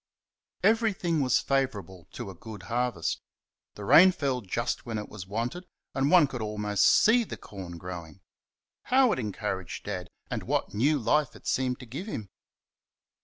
Everything was favourable to a good harvest. The rain fell just when it was wanted, and one could almost see the corn growing. How it encouraged Dad, and what new life it seemed to give him!